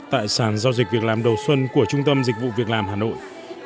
tại sàn giao dịch việc làm đầu xuân của trung tâm dịch vụ việc làm hà nội